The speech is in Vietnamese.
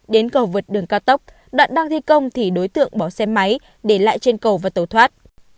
đến cầu vượt đường cao tốc đoạn đang thi công thì đối tượng bỏ xe máy để lại trên cầu và tàu thoát